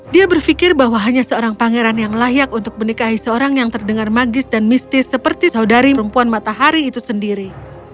dia berpikir bahwa hanya seorang pangeran yang layak untuk menikahi seorang yang terdengar magis dan mistis seperti saudari perempuan matahari itu sendiri